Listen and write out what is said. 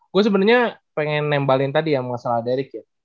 gue sebenernya pengen nembalin tadi ya masalah derick ya